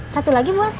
satu lagi buat siapa